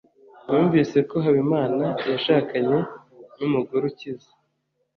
numvise ko habimana yashakanye numugore ukize